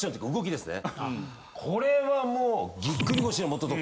これはもう。